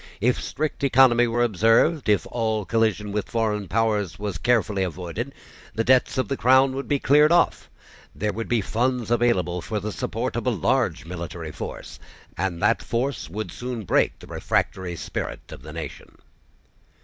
If strict economy were observed, if all collision with foreign powers were carefully avoided, the debts of the crown would be cleared off: there would be funds available for the support of a large military force; and that force would soon break the refractory spirit of the nation.